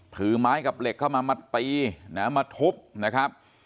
ถือไม้กับเหล็กเข้ามามาตีนะมาทุบนะครับ